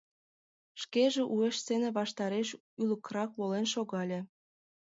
Шкеже уэш сцене ваштареш ӱлыкрак волен шогале.